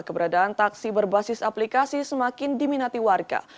keberadaan taksi berbasis aplikasi semakin diminati warga